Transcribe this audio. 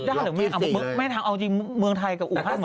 ยอดที่๔เลยนะครับไม่ทางเอาจริงมือไทยกับอุหันหมด